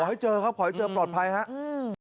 ให้เจอครับขอให้เจอปลอดภัยครับ